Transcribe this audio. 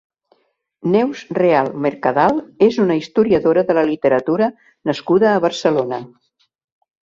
Neus Real Mercadal és una historiadora de la literatura nascuda a Barcelona.